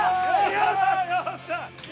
やったー！